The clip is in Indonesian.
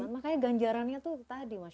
makanya ganjarannya itu tadi